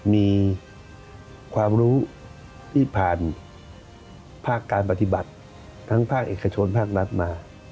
มีความรู้ที่ผ่านภาคการปฏิบัติทั้งภาคเอกชนภาครัฐมา